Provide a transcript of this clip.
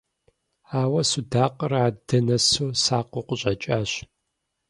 Ауэ судакъыр адэ нэсу, сакъыу къыщӀэкӀащ.